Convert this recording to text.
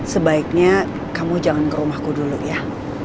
sebaiknya kamu jangan ke rumahku dulu ya